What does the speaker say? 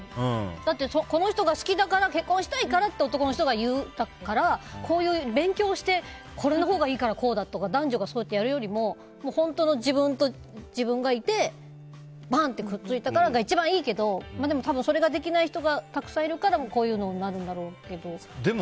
この人が好きだから結婚したいからって男の人が言ってするのと勉強してこのほうがいいからとかって男女がそうするよりも本当の自分と自分がいてばんってくっついたからが一番いいけど多分それができない人がたくさんいるからこういうのになるんだろうけど。